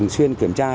xuyên kiểm tra